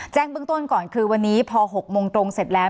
แจ้งเบื้องต้นก่อนคือวันนี้พอ๖โมงตรงเสร็จแล้ว